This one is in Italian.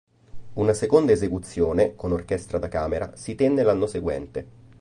Una seconda esecuzione, con orchestra da camera, si tenne l'anno seguente.